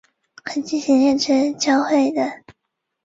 大冈镇是江苏省盐城市盐都区下属的一个镇。